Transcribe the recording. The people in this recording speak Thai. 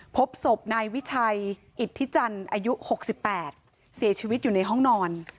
พบศพนายวิชัยอิทธิจันทร์อายุ๖๘เสียชีวิตอยู่ในห้องนอน